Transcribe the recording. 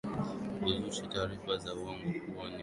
huzusha taarifa za uongo kuwa ni mgonjwa ama amekufa